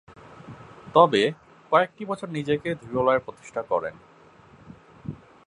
তবে, কয়েকটি বছর নিজেকে ধীরলয়ে প্রতিষ্ঠা করেন।